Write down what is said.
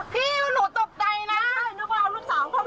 ขอโทษลูกสาว